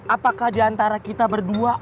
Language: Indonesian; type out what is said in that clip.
apakah diantara kita berdua